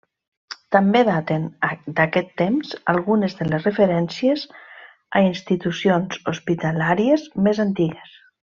També daten d'aquest temps algunes de les referències a institucions hospitalàries més antigues.